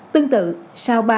tương tự sau ba năm năm